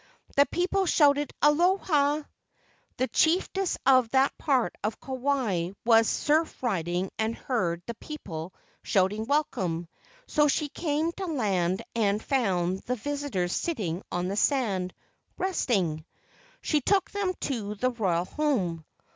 The people shouted, ' 1 Aloha! '' The chief ess of that part of Kauai was surf riding and heard the people shouting welcome, so she came to land and found the visitors sitting on the sand, resting. She took them to the royal home.